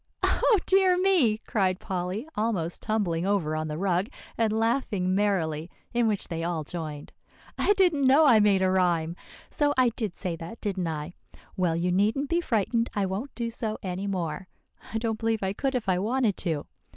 "Oh, dear me!" cried Polly, almost tumbling over on the rug, and laughing merrily, in which they all joined; "I didn't know I made a rhyme. So I did say that, didn't I? Well, you needn't be frightened, I won't do so any more. I don't believe I could if I wanted to.